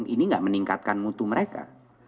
ini nggak meningkatkan mutu mereka